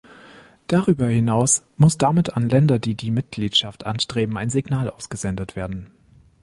Darüber hinaus muss damit an Länder, die die Mitgliedschaft anstreben, ein Signal ausgesendet werden.